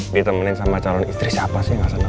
ditemenin sama calon istri siapa sih nggak seneng